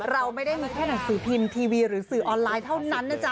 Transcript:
เราไม่ได้มีแค่หนังสือพิมพ์ทีวีหรือสื่อออนไลน์เท่านั้นนะจ๊